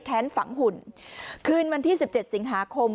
ฝังหุ่นคืนวันที่๑๗สิงหาคม